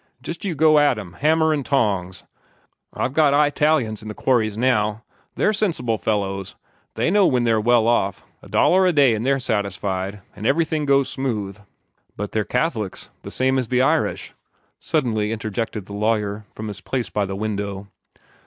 Jest you go at 'em hammer 'n' tongs! I've got Eyetalians in the quarries now. They're sensible fellows: they know when they're well off a dollar a day, an' they're satisfied, an' everything goes smooth." "But they're Catholics, the same as the Irish," suddenly interjected the lawyer, from his place by the window.